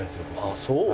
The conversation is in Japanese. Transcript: ああそう。